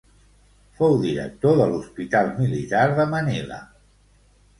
Fou director de l'Hospital Militar de Manila.